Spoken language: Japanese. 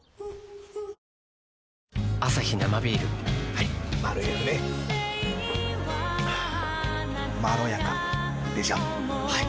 はいマルエフねまろやかでしょはい！